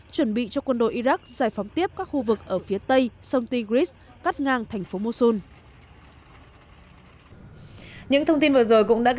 chuẩn bị cho quân đội iraq giải phóng tiếp các khu vực ở phía tây sông tigris cắt ngang thành phố mussol